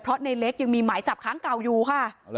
เพราะในเล็กยังมีหมายจับค้างเก่าอยู่ค่ะ